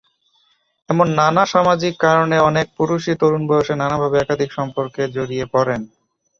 এমন নানা সামাজিক কারণে অনেক পুরুষই তরুণ বয়সে নানাভাবে একাধিক সম্পর্কে জড়িয়ে পড়েন।